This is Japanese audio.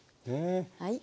はい。